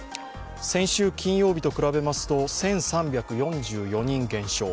先週金曜日と比べますと１３４４人減少。